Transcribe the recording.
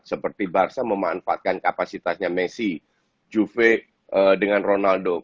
seperti barca memanfaatkan kapasitasnya messi juve dengan ronaldo